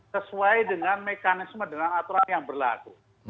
sesuai dengan mekanisme dengan aturan yang berlaku